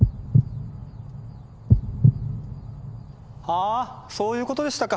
あぁそういうことでしたか。